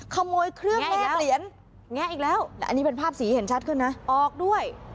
ขโมยเครื่องแกะเหรียญแงะอีกแล้วอันนี้เป็นภาพสีเห็นชัดขึ้นนะออกด้วย